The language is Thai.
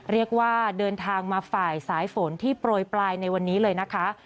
เรียกว่าเดินทางมาฝ่ายสายฝนที่โปรยปลายในวันนี้เลยนะคะ